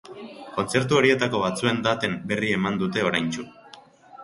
Kontzertu horietako batzuen daten berri eman dute oraintsu.